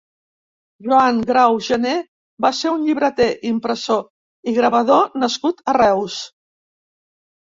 Joan Grau Gené va ser un llibreter, impressor i gravador nascut a Reus.